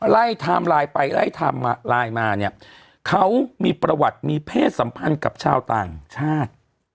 ไทม์ไลน์ไปไล่ไทม์ไลน์มาเนี่ยเขามีประวัติมีเพศสัมพันธ์กับชาวต่างชาติ